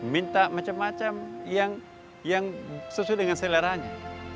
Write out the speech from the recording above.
minta macam macam yang sesuai dengan seleranya